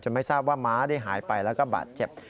ไม่ทราบว่าม้าได้หายไปแล้วก็บาดเจ็บ